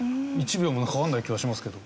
１秒もかからない気がしますけど。